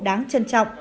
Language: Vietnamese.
và cọn sóc